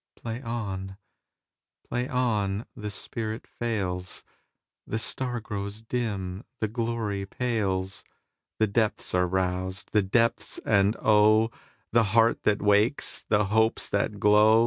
Play on! Play on! The spirit fails, The star grows dim, the glory pales, The depths are roused—the depths, and oh! The heart that wakes, the hopes that glow!